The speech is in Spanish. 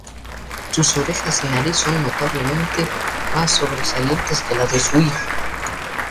Sus orejas y nariz son notablemente más sobresalientes que las de su hijo.